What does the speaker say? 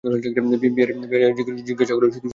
বিহারী জিজ্ঞাসা করিল, শুতে যাস নি যে?